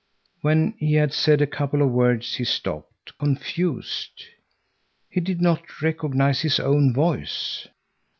When he had said a couple of words he stopped, confused. He did not recognize his own voice.